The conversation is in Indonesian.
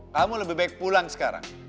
kamu lebih baik pulang sekarang